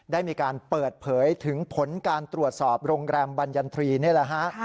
ได้มีการเปิดเผยถึงผลการตรวจสอบโรงแรมบรรยันทรีย์นี่แหละฮะ